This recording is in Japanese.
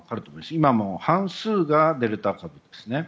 今も半数がデルタ株ですね。